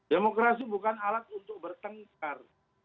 demokrasi bukan alat untuk bertengkar